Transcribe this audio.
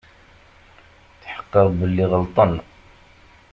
Tḥeqqeɣ belli ɣelṭen.